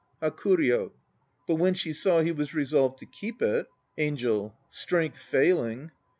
HAKURYO. But when she saw he was resolved to keep it ... ANGEL. Strength failing.